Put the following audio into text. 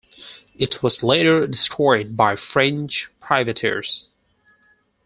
It was later destroyed by French privateers.